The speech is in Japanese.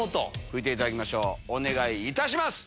吹いていただきましょうお願いいたします。